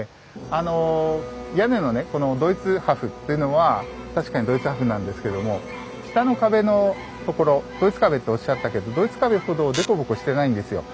あの屋根のねこのドイツ破風ってのは確かにドイツ破風なんですけども下の壁のところドイツ壁っておっしゃったけどドイツ壁ほどデコボコしてないんですよ。